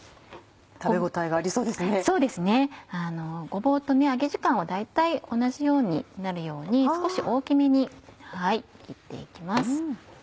ごぼうと揚げ時間を大体同じようになるように少し大きめに切って行きます。